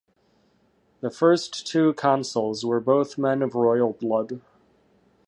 The first two consuls were both men of royal blood.